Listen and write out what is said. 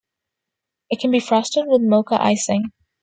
It can be frosted with mocha icing.